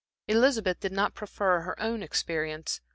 Elizabeth did not proffer her own experience.